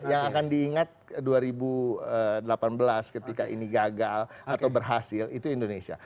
yang akan diingat dua ribu delapan belas ketika ini gagal atau berhasil itu indonesia